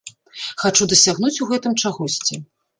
Хачу дасягнуць у гэтым чагосьці.